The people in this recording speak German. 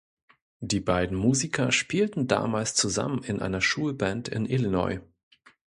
Die beiden Musiker spielten damals zusammen in einer Schulband in Illinois.